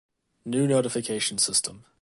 New notification system.